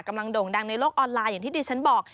โด่งดังในโลกออนไลน์อย่างที่ดิฉันบอก